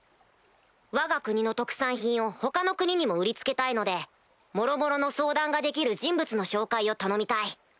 わが国の特産品を他の国にも売りつけたいのでもろもろの相談ができる人物の紹介を頼みたい。